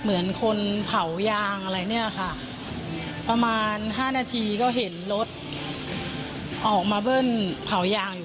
เหมือนคนเผายางอะไรเนี่ยค่ะประมาณห้านาทีก็เห็นรถออกมาเบิ้ลเผายางอยู่